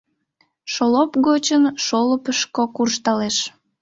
Шолоп гычын шолопышко куржталеш.